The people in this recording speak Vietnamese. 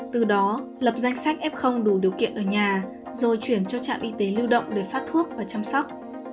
từ đó lập danh sách f đủ điều kiện ở nhà rồi chuyển cho trạm y tế lưu động để phát thuốc và chăm sóc